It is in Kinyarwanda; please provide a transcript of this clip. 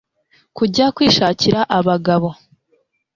kujya kwishakira abagabo